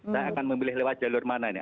saya akan memilih lewat jalur mana ini